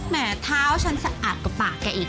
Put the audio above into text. แม้เท้าฉันสะอาดกว่าปากแกอีก